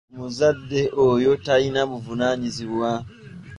Omuzadde oyo talina buvunaanyizibwa.